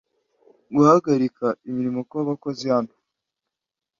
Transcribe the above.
Guhagarika imirimo kw abakozi hano